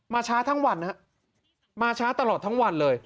ช้าทั้งวันฮะมาช้าตลอดทั้งวันเลย